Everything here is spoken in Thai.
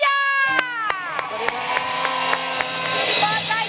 เพื่อพลังสะท้าของคนลูกทุก